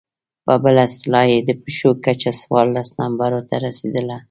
په بله اصطلاح يې د پښو کچه څوارلس نمبرو ته رسېدله.